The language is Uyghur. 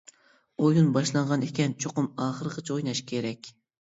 ئويۇن باشلانغان ئىكەن چوقۇم ئاخىرىغىچە ئويناش كېرەك!